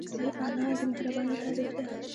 انا د مهربانۍ تعریف ده